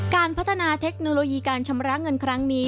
การพัฒนาเทคโนโลยีการชำระเงินครั้งนี้